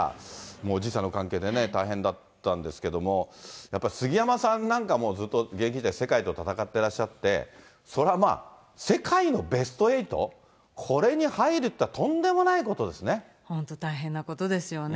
もう時差の関係でね、大変だったんですけども、やっぱり杉山さんなんかもう、ずっと現役時代、世界と戦ってらっしゃって、そらまあ、世界のベスト８、これに入るっていうのは、本当、大変なことですよね。